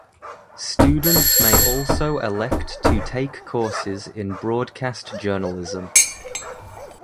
Students may also elect to take courses in Broadcast Journalism.